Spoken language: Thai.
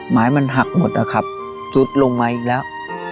ไม้มันหักหมดนะครับสุดลงมาอีกแล้ว